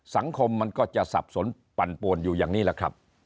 สังคมมันก็จะสับสนปั่นปวนอยู่อย่างนี้แหละครับ